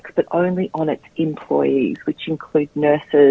sejak dua tahun lalu praktisi umum tidak menjadi bagian dari pengajaran dokter